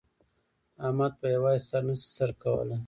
احمد په په یوازې سر نه شي سر کولای.